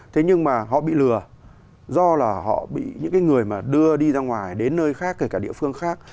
thế nhưng mà họ bị lừa do là họ bị những cái người mà đưa đi ra ngoài đến nơi khác kể cả địa phương khác